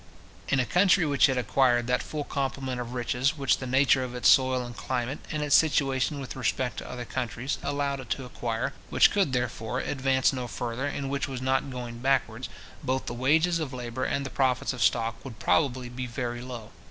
In a country which had acquired that full complement of riches which the nature of its soil and climate, and its situation with respect to other countries, allowed it to acquire, which could, therefore, advance no further, and which was not going backwards, both the wages of labour and the profits of stock would probably be very low.